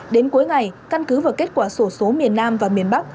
đến cuối ngày căn cứ vào kết quả sổ số miền nam và miền bắc